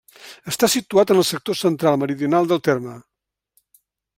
Està situat en el sector central-meridional del terme.